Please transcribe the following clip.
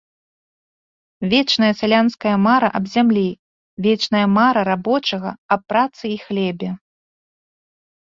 Вечная сялянская мара аб зямлі, вечная мара рабочага аб працы і хлебе!